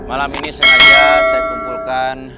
malam ini sengaja saya kumpulkan